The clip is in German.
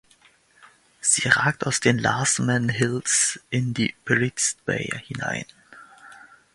Sie ragt aus den Larsemann Hills in die Prydz Bay hinein.